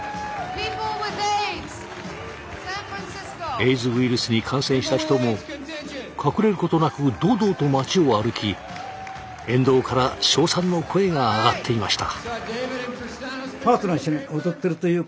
エイズウイルスに感染した人も隠れることなく堂々と街を歩き沿道から称賛の声が上がっていました。